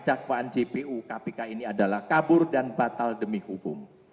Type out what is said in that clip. dakwaan jpu kpk ini adalah kabur dan batal demi hukum